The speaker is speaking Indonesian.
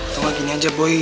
tunggu gini aja boy